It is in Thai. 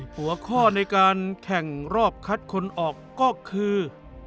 หัวข้อในการแข่งรอบคัดคนออกก็คือ